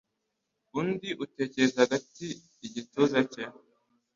Undi utekereza hagati igituza cye